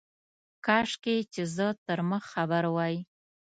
کاشکي چي زه تر مخ خبر وای.